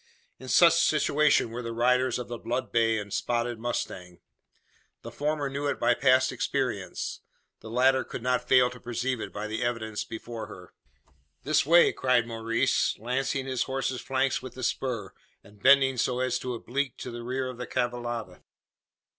In such situation were the riders of the blood bay and spotted mustang. The former knew it by past experience the latter could not fail to perceive it by the evidence before her. "This way!" cried Maurice, lancing his horse's flanks with the spur, and bending so as to oblique to the rear of the cavallada.